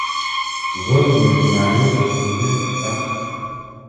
О уиунаеу унэ уиӏа?